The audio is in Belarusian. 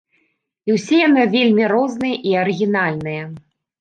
І ўсе яны вельмі розныя і арыгінальныя.